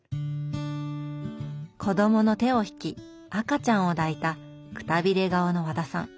子供の手を引き赤ちゃんを抱いたくたびれ顔の和田さん。